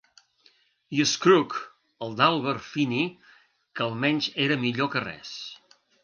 I Scrooge, el d'Albert Finney, que almenys era millor que res.